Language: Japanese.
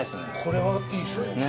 これはいいっすね。